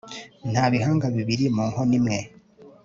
nta bihanga bibiri mu nkono imwe